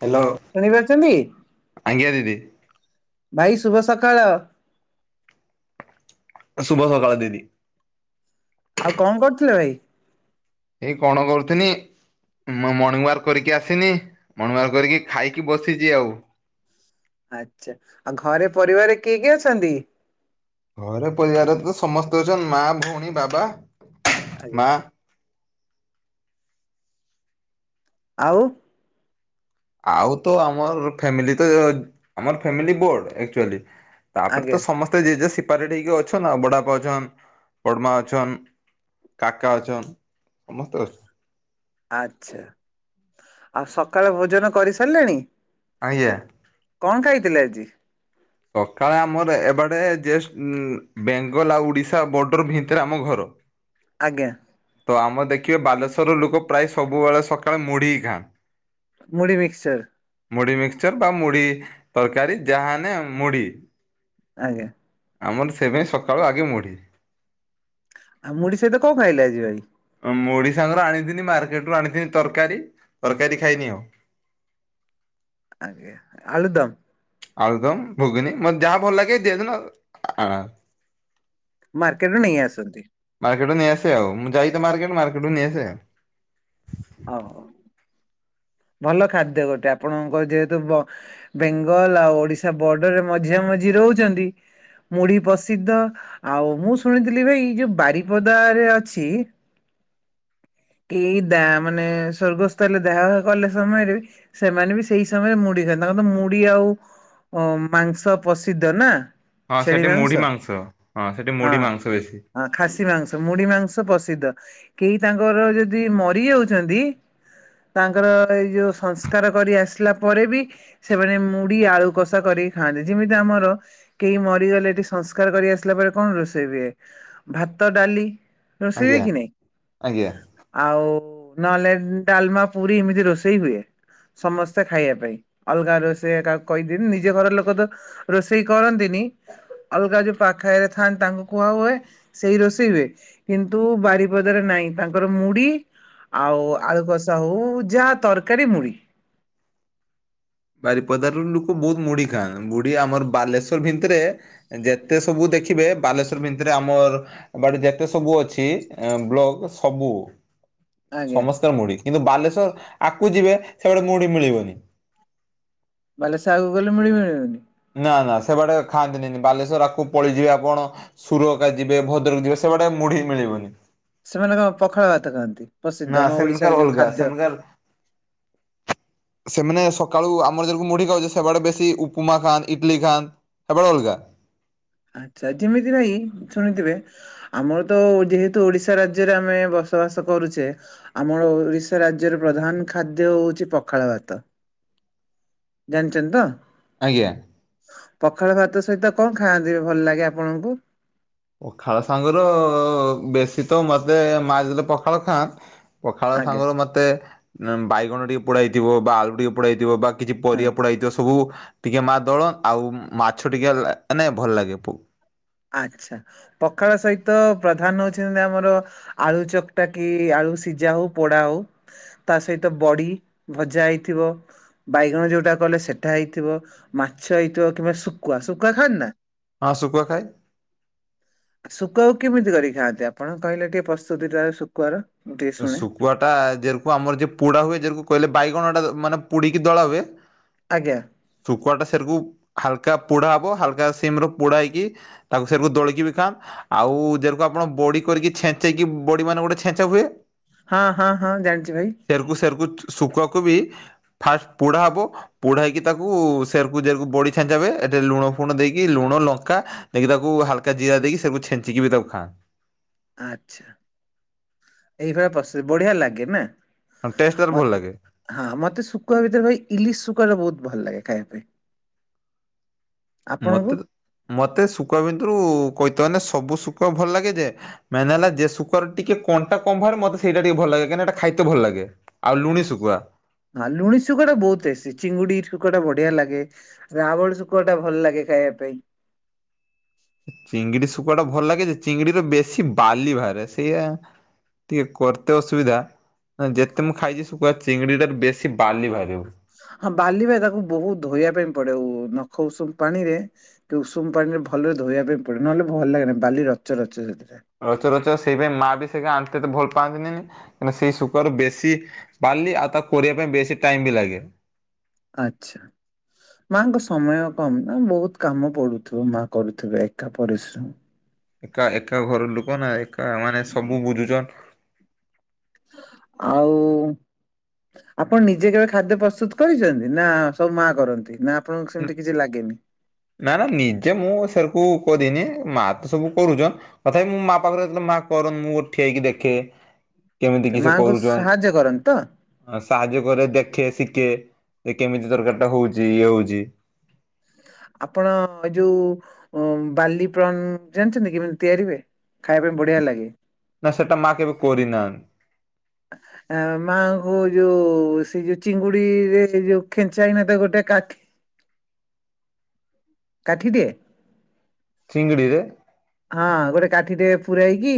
Hello. ଶୁଣିବାପାରୁଛନ୍ତି ଆଜ୍ଞା ଦିଦି। ଭାଇ ଶୁଭ ସକାଳ। ଶୁଭ ସକାଳ ଦିଦି। ଆଉ କଣ କରୁଥିଲେ ଭାଇ? ଏଇ କଣ କରୁଥିନି ମୁଁ ମର୍ଣ୍ଣିଂ ୱାକ କରିକି ଆସିନି ମର୍ଣିଂ ୱାକ କରିକି ଖାଇକି ବସିଛି ଆଉ। ଆଛା ଆଉ ଘରେ ପରିବାରରେ କିଏ କିଏ ଅଛନ୍ତି? ଘରେ ପରିବାର ତ ସମସ୍ତେ ଅଛନ୍ତି ମା ଭଉଣୀ ବାବା ଆଜ୍ଞା ମା। ଆଉ। ଆଉ ତ ଆମର ଫାମିଲି ତ ଆମ ଫାମିଲି ବଡ ଆକ୍ତୁଆଲି। ତାପରେ ଆଜ୍ଞା ତ ସମସ୍ତେ ଜେଜେ ସିପାରି କି ଅଛନ୍ ଆଉ ବଡାପା ଅଛନ୍ ବଡମା ଅଛନ୍। କାକା ଅଛନ୍ ସମସ୍ତେ ଅଛନ୍। ଆଚ୍ଛା ଆଉ ସକାଳ ଭୋଜନ କରିସାରିଲେଣି। ଆଜ୍ଞା। କଣ ଖାଇଥିଲେ ଆଜି। ସକାଳେ ଆମର ଏବାଟେ ଜଷ୍ଟ ବେଙ୍ଗଲ ଆଉ ଓଡ଼ିଶା ବର୍ଡର ଭିତରେ ଆମ ଘର। ଆଜ୍ଞା। ତ ଆମର ଦେଖିବେ ବାଲେଶ୍ୱର ଲୋକ ପ୍ରାୟ ସବୁବେଳେ ସକାଳେ ମୁଢିି ଖାନ୍ ମୁଢ଼ି ମିକ୍ସଚର୍। ମୁଢି ମିକ୍ସଚର ବା ମୁଢି ତରକାରୀ ଯାହାନେ ମୁଢି। ଆଜ୍ଞା। ଆମର ସେଇ ପାଇଁ ସକାଳୁ ଆଗେ ମୁଢ଼ି। ଆଉ ମୁଢି ସହିତ କଣ ଖାଇଲେ ଆଜି ଭାଇ। ମୁଢ଼ି ସାଙ୍ଗରେ ଆଣିଥିନି ମାର୍କେଟ ରୁ ଆଣିିଥିନି ତରକାରୀ ତରକାରୀ ଖାଇନି ଆଉ। ଆଜ୍ଞା ଆଳୁଦମ୍। ଆଳୁଦମ ଘୁଗୁନି ମତେ ଯାହା ଭଲଲାଗେ ଯେ ଦିନ ଆଉ। ମାର୍କେଟରୁ ନେଇ ଆସନ୍ତି। ମାର୍କେଟ ରୁ ନେଇ ଆସେ ଆଉ ମୁଁ ଯାଇତ ମାର୍କେଟ ମାର୍କେଟରୁ ନେଇ ଆସେ। ଓ ଭଲ ଖାଦ୍ୟ ଗୋଟେ ଆପଣଙ୍କ ଯେହେତୁ ବେଙ୍ଗଲ ଆଉ ଓଡିଶା ବର୍ଡରରେ ମଝିଆ ମଝି ରହୁଛନ୍ତି ମୁଢି ପ୍ରସିଦ୍ଧ। ଆଉ ମୁଁ ଶୁଣିଥିଲି ଭାଇ ଏଇ ଯଉ ବାରିପଦାରେ ଅଛି ଏଇ ଦା ମାନେ ସ୍ୱର୍ଗସ୍ଥ ହେଲେ ଦେହ କଲେ ସମୟରେ ସେମାନେ ବି ସେଇ ସମୟରେ ମୁଢ଼ି ଖାନ୍ତି ତାଙ୍କର ତ ମୁଢ଼ି ଆଉ। ଓ ମାଂସ ପ୍ରସିଦ୍ଧ ନା। ହଁ ସେଠି ମୁଢି ମାଂସ ହଁ ସେଠି ମୁଢି ମାଂସ ବେଶୀ। ହଁ ଖାସି ମାଂସ ମୁଢି ମାଂସ ପ୍ରସିଦ୍ଧ କେହି ତାଙ୍କର ଯଦି ମରିଯାଉଛି ଯାଉଛନ୍ତି ତାଙ୍କର ଏଇ ଯଉ ସଂସ୍କାର କରି ଆସିଲା ପରେ ବି ସେମାନେ ମୁଡ଼ି ଆଳୁ କଷା କରିକି ଖାଆନ୍ତି ଯେମିତି ଆମର କେହି ମରିଗଲେ ଏଠି ସଂସ୍କାର କରି ଆସିଲା ପରେ କଣ ରୋଷେଇ ହୁଏ ଭାତ ଡାଲି। ରୋଷେଇ ଆଜ୍ଞା ହୁଏକି ନାଇଁ ଆଜ୍ଞା। ଆଉ ନହେଲେ ଡ଼ାଲମା ପୁରୀ ଏମିତି ରୋଷେଇ ହୁଏ। ସମସ୍ତେ ଖାଇବା ପାଇଁ ଅଲଗା ରୋଷେୟା କାହାକୁ କହିଦେନି ନିଜ ଘର ଲୋକ ତ ରୋଷେଇ କରନ୍ତିନି ଅଲଗା ଯଉ ପାଖରେ ଥାଆନ୍ତି ତାଙ୍କୁ କୁହା ହୁଏ। ସେଇ ରୋଷେଇ ହୁଏ କିନ୍ତୁ ବାରିପଦାରେ ନାଇଁ ତାଙ୍କର ମୁଢ଼ି ଆଉ ଆଳୁ କଷା ହଉ ଯାହା ତରକାରୀ ମୁଢ଼ି। ବାରିପଦାରରୁ ଲୋକ ବହୁତ୍ ମୁଢି ଖାଆନ୍ତି ମୁଢି ଆମର ବାଲେଶ୍ଵର ଭିତିରେ ଯେତେ ସବୁ ଦେଖିବେ ବାଲେଶ୍ଵର ଭିିତରେ ଆମର ଏ ବାଟେ ଯେତେ ସବୁ ଅଛି ବ୍ଲକ ସବୁ ଆଜ୍ଞା ସମସ୍ତେ ମୁଢି କିନ୍ତୁ ବାଲେଶ୍ଵର ଆଗକୁ ଯିବେ ସେପଟେ ମୁଢି ମିଳିବନି। ବାଲେଶ୍ଵର ଆଗକୁ ଗଲେ ମୁଢି ମିଳିବନି। ନା ନା ସେବାଟେ ଖାଆନ୍ତିନି ବାଲେଶ୍ଵର ଆଗକୁ ପଳେଇଯିବେ ଆପଣ ସୁରକା ଯିବେ ଭଦ୍ରକ ଯିବେ ସେବାଟେ ମୁଢି ମିଳିବନି। ସେମାନେ କଣ ପଖାଳ ଭାତ ଖାଆନ୍ତି ପ୍ରସିଦ୍ଧ ନା ଆମ ସେମାନଙ୍କର ଓଡିଶାରେ ଯଉ ଅଲଗା ଖାଦ୍ୟ। ସେମାନଙ୍କର ସେମାନେ ସକାଳୁ ଆମର ଜେଣକୁ ମୁଢି ଖାଉଚେ ସେଆଡେ ବେଶୀ ଉପମା ଖାନ୍ତି ଇଟିଲି ଖାଆନ୍ତି ଆପଣ ଅଲଗା ଆଛା ଯେମିତି ଭାଇ ଶୁଣିଥିବେ ଆମରତ ଯେହେତୁ ଓଡିଶା ରାଜ୍ୟରେ ଆମେ ବସବାସ କରୁଛେ ଆମର ଓଡିଶା ରାଜ୍ୟର ପ୍ରଧାନ ଖାଦ୍ୟ ହଉଚି ପଖାଳ ଭାତ। ଜାଣିଚନ୍ତିତ। ଆଜ୍ଞା। ପଖାଳ ଭାତ ସହିତ କଣ ଖାଆନ୍ତି ଭଲ ଲାଗେ ଆପଣଙ୍କୁ? ପଖାଳ ସାଙ୍ଗର ବେଶୀତ ମତେ ମା ଯେତେବେଳେ ପଖାଳ ଖାଆନ୍ ପଖାଳ ଆଜ୍ଞା ସାଙ୍ଗରେ ମୋତେ ବାଇଗଣ ଟିକେ ପୋଡ଼ା ହେଇଥିବ ବା ଆଳୁ ଟିକେ ପୋଡ଼ା ହେଇଥିବ ବା କିଛି ହଁ ପରିବା ପୋଡା ହେଇଥିବ ସବୁ ଟିକେ ମା ଦଳ ଆଉ ମାଛ ଟିକେ ମାନେ ଭଲ ଲାଗେ। ଆଚ୍ଛା ପଖାଳ ସହିତ ପ୍ରଧାନ ହଉଛନ୍ତି ଆମର ଆଳୁ ଚକଟାକି ଆଳୁ ସିଝା ହଉ ପୋଡ଼ାହଉ। ତା ସହିତ ବଡ଼ି ଭଜା ହେଇଥିବ ବାଇଗଣ ଯୋଉଟା କଇଲେ ସେଟା ହେଇଥିବ ମାଛ ହେଇଥିବ କିମ୍ବା ଶୁଖୁଆ ଶୁଖୁଆ ଖାଆନ୍ତିନା? ହଁ ଶୁଖୁଆ ଖାଏ। ଶୁଖୁଆକୁ କେମିତି କରିକି ଖାଆନ୍ତି ଆପଣ କହିଲେ ଟିକେ ପ୍ରସ୍ତୁତି ତାର ଶୁଖୁଆର? ମୁଁ ଟିକେ ଏ ଶୁଣେ। ଶୁଖୁଆଟା ଯେକକୁ ଆମର ଯିଏ ପୋଡ଼ା ହୁଏ ଯେକକୁ କିଇଲେ ବାଇଗଣଟା ମାନେ ପୁଡ଼ିକି ଦଳା ହୁଏ ଆଜ୍ଞା। ଶୁଖୁଆଟା ସେରେକୁ ହାଲକା ପୋଡ଼ା ହବ ହାଲକା ସିମିର ପୋଡ଼ା ହେଇକି ତାକୁ ସେରକୁ ଦୋଳିକି ଖାନ୍ ଆଉ ଯେରକୁ ଆପଣ ବଡ଼ି କରିକି ଛେଞ୍ଚେଇକି ବଡ଼ି ମାନେ ଗୋଟେ ଛେଞ୍ଚା ହୁଏ ହଁ ହଁ ହଁ ଜାଣିଚି ଭାଇ। ସେରକୁ ସେରକୁ ଶୁଖୁଆକୁବି ଫାଷ୍ଟେ ପୋଡ଼ା ହବ ପୋଢା ହେଇକି ତାକୁ ସେରକୁ ଯେରକୁ ବଢି ଛେଞ୍ଚା ହୁଏ ଏଠି ଲୁଣ ଫୁଣ ଦେଇକି ଲୁଣ ଲଙ୍କା ଦେଇକି ତାକୁ ହାଲକା ଜିରା ଦେଇକି ସେରକୁ ଛେଞ୍ଚିକିବି ତାକୁ ଖାଆ ଆଛା ଏଇଭଳିଆ ପ୍ରସ୍ତୁତି ବଢ଼ିଆ ଲାଗେନା? ହଁ ଟେଷ୍ଟେ ତାର ଭଲ ଲାଗେ। ହଁ ମତେ ଶୁଖୁଆ ଭିତରେ ଭାଇ ଇଲିଶ ଶୁଖାଆଟା ବହୁତ୍ ଭଲ ଲାଗେ ଖାଇବା ପାଇଁ। ଆପଣଙ୍କୁ? ମତେତ ମତେ ଶୁଖୁଆ ଭିତରୁ କଇତଗନେ ସବୁ ଶୁଖୁଆ ଭଲ ଲାଗେ ଯେ ମାନେ ହେଲା ଯେ ସୁକୁଆ ଟିକେ କଣ୍ଟା କମ୍ ଭାରେ ମତେ ସେଇଟା ଟିକେ ଭଲ ଲାଗେ କାଇଁନାଏଟା ଖାଇତେ ଭଲ ଲାଗେ। ଆଉ ଲୁଣି ଶୁଖୁଆ ହଁ ଲୁଣି ଶୁଖୁଆଟା ବହୁତ୍ ଟେଷ୍ଟି ଚିଙ୍ଗୁଡ଼ି ଶୁଖୁଆ ବଢ଼ିଆ ଲାଗେ ରାବଳ ଶୁଖୁଆଟା ଭଲ ଲାଗେ ଖାଇବା ପାଇଁ। ଚିଙ୍ଗିଡି ଶୁକୁଆଟା ଭଲ ଲାଗେ ଯେ ଚିଙ୍ଗିଡିରେ ବେଶୀ ବାଲି ବାହାରେ ସେଇଆ ଟିକେ କରତେ ଅସୁବିଧା। ନହନେ ଯେତେ ମୁଁ ଖାଇଚି ଶୁକୁଆ ଚିଙ୍ଗୁଡିଟାରେ ବେଶୀ ବାଲି ବାହାରିବ। ହଁ ବାଲି ବାହାରେ ତାକୁ ବୋହୁତ ଧୋଇବା ପାଇଁ ପଡେ ଉ ନଖ ଉଷୁମ ପାଣିରେ କି ଉଷୁମ ପାଣିରେ ଭଲରେ ଧୋଇବା ପାଇଁ ପଡେ ନହେଲେ ଭଲ ଲାଗେନ ବାଲି ରଚ ରଚ ସେଥିରେ ରଚ ରଚ ସେଇ ପାଇଁ ମାଆ ବି ସେକା ଆଣତେ ଏତେ ଭଲ ପାଆନ୍ତିନି ନି କାରଣ ସେଇ ଶୁକୁଆର ବେଶୀ ବାଲି ଆଉ ତାକୁ କରିବା ପାଇଁ ବେଶୀ ଟାଇମ ବି ଲାଗେ। ଆଚ୍ଛା। ମାଆଙ୍କ ସମୟ କମ ନା ବୋହୁତ କାମ ପଡୁଥୁବ ମାଆ କରୁଥୁବେ ଏକା ପରିଶ୍ରମ। ଏକା ଏକା ଘର ଲୋକ ନା ଏକା ମାନେ ସବୁ ବୁଝୁଚନ୍। ଆଉ ଆପଣ ନିଜେ କେବେ ଖାଦ୍ୟ ପ୍ରସ୍ତୁତ କରିଚନ୍ତି ନା ସବୁ ମାଆ କରନ୍ତି ନା ଆପଣଙ୍କୁ ସେମିତି କିଛି ଲାଗେନି? ନା ନା ନିଜେ ମୁଁ ସେରକୁ କରିନି ମାଆ ତ ସବୁ କରୁଚନ୍। କଥାପି ମୁଁ ମାଆ ପାଖରେ ଯେତଳେ ମାଆ କରନ୍ ମୁଁ ଠିଆ ହେଇକି ଦେଖେ। କେମିତି ଆଚ୍ଛା କିସ ମାଆଙ୍କୁ କରୁଚନ୍? ସାହାଯ୍ୟ କରନ୍ତି ତ? ଆଉ ସାହାଯ୍ୟ କରେ ଦେଖେ ଶିକେ ଯେ କେମିତି ତରକାରୀଟା ହୋଉଚି ଇଏ ହୋଉଚି। ଆପଣ ଏ ଯୋଉ ଉମ୍ ବାଲି ପ୍ରନ ଜାଣିଚନ୍ତି କେମିତି ତିଆରିି ହୁଏ? ଖାଇବା ପାଇଁ ବଢିଆ ଲାଗେ। ନା ସେଟା ମା କେବେ କରିନାହାନ୍ ଆ ମାଆଙ୍କୁ ଯୋଉ ସେ ଯୋଉ ଚିଙ୍ଗୁଡିରେ ଯୋଉ ଖେଞ୍ଚା ହେଇ ନଥାଏ ଗୋଟେ କାଠି କାଠି ଟିଏ ଚିଙ୍ଗିଡିରେ? ହଁ ଗୋଟେ କାଠିଟେ ପୁରାଇକି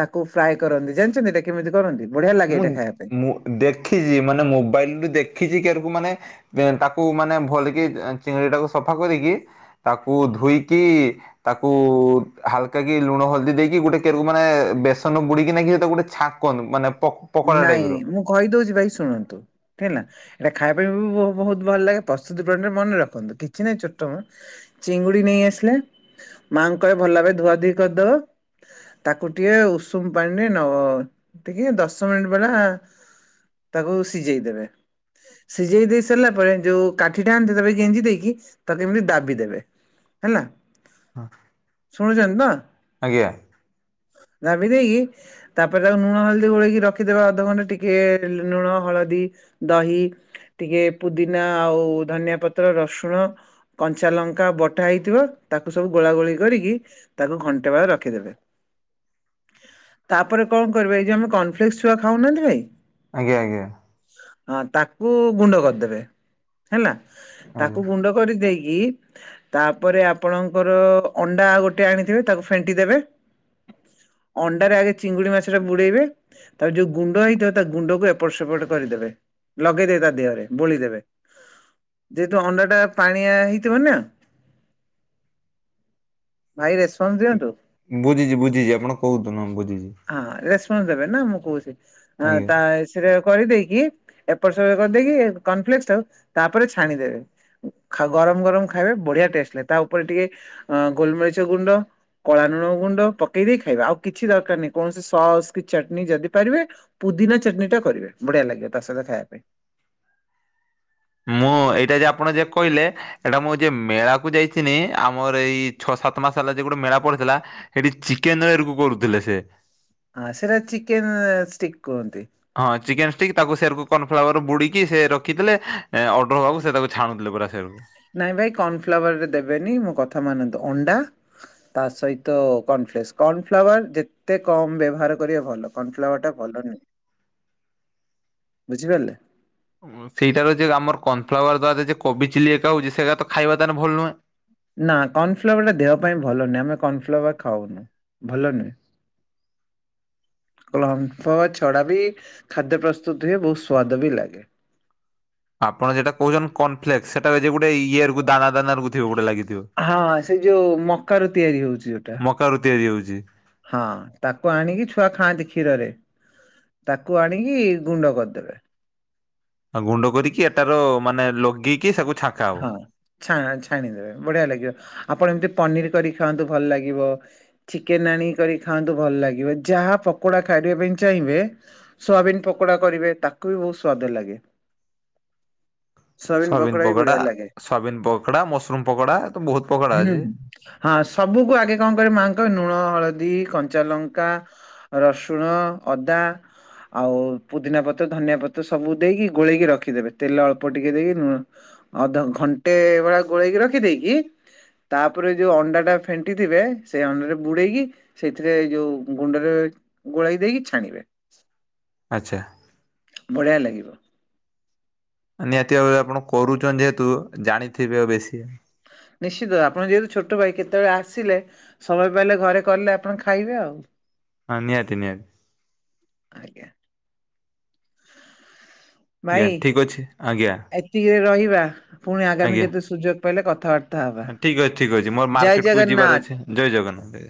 ତାକୁ ଫ୍ରାଏ କରନ୍ତି ଜାଣିଚନ୍ତି ଏଟା କେମିତି କରନ୍ତି? ବଢିଆ ଲାଗେ ଏଇଟା ଖାଇବା ପାଇଁ। ମୁଁ ଦେଖିଚି ମାନେ ମୋବାଇଲୁ ଦେଖିଚି କି ଏରାକୁ ମାନେ ବେଁ ତାକୁ ମାନେ ଭଲ କିି ଏଁ ଚିଙ୍ଗିଡି ଟାକୁ ସଫା କରିକି ତାକୁ ଧୋଇକି ତାକୁ ହାଲକା କି ଲୁଣ ହଳଦୀ ଦେଇକି ଗୋଟେ କେରକୁ ମାନେ ବେସନ ବୁଡେଇକି ନେଇକି ସେଟାକୁ ଗୋଟେ ଛା କୁହନ୍ତୁ ମାନେ ପ ନାଇଁ ମୁଁ କହିଦୋଉଚି ଭାଇ ଶୁଣନ୍ତୁ ହେଲା। ଏଇଟା ଖାଇବା ପାଇଁ ବି ବ ବୋହୁତ ଭଲ ଲାଗେ ପ୍ରସ୍ତୁତି ପ୍ରଣାଳୀଟା ମନେ ରଖନ୍ତୁ କିଛି ନାହିଁ ଛୋଟ ମ। ଚିଙ୍ଗୁଡି ନେଇ ଆସିଲେ ମାଆଙ୍କୁ କହିବ ଭଲ ଭାବେ ଧୁଆ ଧୁଇ କରିଦବ। ତାକୁ ଟିକେ ଉଷୁମ ପାଣିରେ ନବ ଟିକେ ଦଶ ମିନିଟ୍ ଭଳିଆ ତାକୁ ସିଜେଇ ଦେବେ। ସିଜେଇ ଦେଇ ସାରଲା ପରେ ଯୋଉ କାଠିଟା ଆଣିତେ ତାପରେ ଗେଞ୍ଜି ଦେଇକି ତାକୁ ଏମିତି ଦାବି ଦେବେ। ହେଲା ଶୁଣୁଚନ୍ତି ତ। ଆଜ୍ଞା ଦାବି ଦେଇକି ତାପରେ ତାକୁ ଲୁଣ ହଳଦୀ ଗୋଳେଇକି ର ରଖିଦେବେ ଅଧ ଘଣ୍ଟେ ଟିକେ ଲୁଣ, ହଳଦୀ, ଦହି ଟିକେ ପୁଦିନା ଆଉ ଧନିଆପତ୍ର, ରସୁଣ କଞ୍ଚା ଲଙ୍କା ବଟା ହେଇଥିବ ତାକୁ ସବୁ ଗୋଳାଗୋଳି କରିକି ତାକୁ ଘଣ୍ଟା ଭଳିଆ ରଖିଦେବେ। ତାପରେ କଣ କରିବେ ଏଇ ଯୋଉ ଆମର କର୍ଣଫ୍ଲେକ୍ସ ଛୁଆ ଖାଉନାହାନ୍ତି ଭାଇ ଆଜ୍ଞା ଆଜ୍ଞା। ହଁ ତାକୁ ଗୁଣ୍ଡ କରିଦେବେ ହେଲା ଆଜ୍ଞା ତାକୁ ଗୁଣ୍ଡ କରି ଦେଇକି ତାପରେ ଆପଣଙ୍କର ଅଣ୍ଡା ଗୋଟେ ଆଣିଥିବେ ତାକୁ ଫେଣ୍ଟି ଦେବେ। ଅଣ୍ଡାରେ ଆଗେ ଚିଙ୍ଗୁଡି ମାଛଟା ବୁଡେଇବେ ତାର ଯୋଉ ଗୁଣ୍ଡ ହେଇଥିବ ତା ଗୁଣ୍ଡକୁ ଏପଟ ସେପଟ କରିଦେବେ। ଲଗେଇ ଦେବେ ତା ଦେହରେ ବୋଳିଦେବେ। ଯେହେତୁ ଅଣ୍ଡାଟା ପାଣିଆ ହେଇଥିବ ନା ଭାଇ ରେସପନ୍ସ ଦିଅନ୍ତୁ। ବୁଝିଚି ବୁଝିଚି ଆପଣ କୋହୁତୁ ନ ବୁଝିଚି। ହଁ ରେସପନ୍ସ ଦେବେ ନା ମୁଁ କହୁଛି ଆଜ୍ଞା ତା ସେଟା କରିଦେଇକି ଏପଟ ସେ କରିଦେଇକି କନଫ୍ଲେକସ କୁ ତାପରେ ଛାଣିଦେବେ। ଗରମ ଗରମ ଖାଇବେ ବଢିଆ ଟେଷ୍ଟ ଲାଗିବ ତା ଉପରେ ଟିକେ ଅ ଗୋଲମରିଚ ଗୁଣ୍ଡ କଳା ଲୁଣ ଗୁଣ୍ଡ ପକେଇ ଦେଇେ ଖାଇବା ଆଉ କିଛି ଦରକାର ନାହିଁ କୌଣସି ସସ୍ କି ଚଟନୀ ଯଦି ପାରିବେ ପୁଦିନା ଚଟଣି ଟା କରିବେ ବଢିଆ ଲାଗିବେ ତା ସହିତ ଖାଇବା ପାଇଁ। ମୁଁ ଏଇଟା ଯେ ଆପଣ ଯ କହିଲେ ଏଇଟା ମୁଁ ଯ ମେଳା କୁ ଯାଇଥିଲି ଆମର ଏଇ ଛଅ ସାତ ମାସ ହେଲା ଯ ଗୋଟେ ମେଳା ପଡିଥିଲା ସେଠି ଚିକେନ ଏରକୁ କରୁଥିଲେ ସେ। ହଁ ସେଟା ଚିକେନ ଷ୍ଟିକ୍ କୁହନ୍ତି। ହଁ ଚିକେନ ଷ୍ଟିକ୍ ତାକୁ ସେକୁ କର୍ଣ୍ଣଫ୍ଲାୱର ବୁଡିକି ସେ ରଖିଥିଲେ। ଅର୍ଡର ହେବାକୁ ସେ ତାକୁ ଛାଣୁଥିଲେ ପରା ସେକୁ। ନାଇଁ ଭାଇ କର୍ଣ୍ଣଫ୍ଲାୱାର ରେ ଦେବେନି ମୋ କଥା ମାନନ୍ତୁ ଅଣ୍ଡା ତା ସହିତ କର୍ଣଫ୍ଲେକ୍ସ କର୍ଣଫ୍ଲାୱାର ଯେତେ କମ୍ ବ୍ୟବହାର କରିବେ ଭଲ। କର୍ଣଫ୍ଲାୱାର ଟା ଭଲନୁହେଁ ବୁଝିପାରିଲେ। ସେଇଟା ରଉ ଆମର କନଫ୍ଲାୱାର ଦ୍ୱାରା ଯଦି କୋବି ଚିଲି ଏକା ହଉଛି ସେଇା ତ ଖାଇବା ତାହେଲେ ଭଲ ନୁହେଁ। ନା କର୍ଣଫ୍ଲୱାର ଟା ଦେହ ପାଇଁ ଭଲ ନୁଁ ଆମେ କର୍ଣଫ୍ଲୱାର ଖାଉନୁ ଭଲ ନୁହେଁ। [unintelligible] ଛଡା ବି ଖାଦ୍ୟ ପ୍ରସ୍ତୁତ ହୁଏ ବହୁତ ସ୍ଵାଦ ବି ଲାଗେ। ଆପଣ ଯେଟା କହୁଛନ୍ତି କର୍ନଫ୍ଲେକ୍ସ ସେଟା ଗୋଟେ ଇଏ ରୁ ଦାନାଦାନା ରୁ ହଁ ସେ ଯୋଉ ମକାର ର ତିଆରି ହଉଛି ଯୋଟା। ମକାରୁ ତିଆରି ହଉଛି ହଁ ତାକୁ ଆଣିକି ଛୁଆ ଖାଆନ୍ତି କ୍ଷୀରରେ। ତାକୁ ଆଣିକି ଗୁଣ୍ଡ କରିଦେବେ। ଗୁଣ୍ଡ କରିକି ଏଟାର ମାନେ ଲଗେଇକି ତାକୁ ଛା ହଁ ଛ ଛାଣିଦେବେ ବଢିଆ ଲାଗିବ ଆପଣ ଏମିତି ପନିର କରି ଖାଆନ୍ତୁ ଭଲ ଲାଗିବ। ଚିକେନ ଆଣି କରି ଖାଆନ୍ତୁ ଭଲ ଲାଗିବ। ଯାହା ପକୋଡା ଖାଇବା ପାଇଁ ଚାହିଁବେ ସୋୟାବିନ ପକୋଡା କରିବେ ତାକୁ ବି ବହୁତ ସ୍ଵାଦ ଲାଗେ। ସୋୟାବିନ ପକୋଡା ପକୋଡା ବଢିଆ ଲାଗେ। ସୟାବିନ ପକୋଡା ମସରୁମ ପକୋଡା ଏ ତ ବହୁତ ପକୋଡା ହୁଁ। ଅଛି। ହଁ ସବୁକୁ ଆଗେ କଣ କିବ ମାଆଙ୍କହ ଲୁଣ ହଳଦୀ କଞ୍ଚା ଲଙ୍କା ରସୁଣ ଅଦା ଆଉ ପୁଦିନା ପତ୍ର ଧନିଆ ପତ୍ର ସବୁ ଦେଇକି ଗୋଳେଇକି ରଖିଦେବେ ତେଲ ଅଳ୍ପ ଟିକେ ଦେଇକି ଅଧ ଘଣ୍ଟେ ଭଳି ଗୋଳେଇକି ରଖିଦେଇକି ତାପରେ ଯୋଉ ଅଣ୍ଡା ଟା ଫେଣ୍ଟି ଥିବେ ସେଇ ଅଣ୍ଡାରେ ବୁଡେଇକି ସେଇଥିରେ ଯୋଉ ଗୁଣ୍ଡରେ ଗୋଳେଇ ଦେଇକି ଛାଣିବେ। ଆଚ୍ଛା। ବଢିଆ ଲାଗିବ। ନିହାତି ଆପଣ କରୁଛନ୍ତି ଯେହେତୁ ଜାଣିଥିବେ ଆଉ ବେଶୀ ନିଶ୍ଚିତ ଆପଣ ଯେହେତୁ ଛୋଟ ଭାଇ କେତେବେଳେ ଆସିଲେ ସମୟ ପାଇଲେ ଘରେ କଲେ ଆପଣ ଖାଇବେ ଆଉ। ହଁ ନିହାତି ନିହାତି। ଆଜ୍ଞା। ଭାଇ ଆଜ୍ଞା ଠିକ ଅଛି ଆଜ୍ଞା। ଏତିକିରେ ରହିବା ପୁଣି ଆଗାମୀ ଆଜ୍ଞା କେତେ ସୁଯୋଗ ପାଇଲେ କଥାବାର୍ତ୍ତା ହବା ଠିକ୍ ଅଛି ଠିକ ଅଛି ମୋର ଜୟ ମାର୍କେଟକୁ ଜଗନ୍ନାଥ। ଯିବାର ଅଛି ଜୟ ଜଗନ୍ନାଥ।